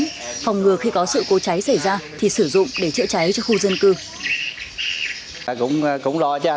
phòng ngừa khi có sự cố cháy xảy ra thì sử dụng để chữa cháy cho khu dân cư